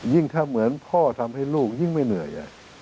ถ้าเหมือนพ่อทำให้ลูกยิ่งไม่เหนื่อย